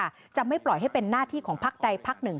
ให้สำเร็จค่ะจะไม่ปล่อยให้เป็นหน้าที่ของพรรคใดพรรคหนึ่ง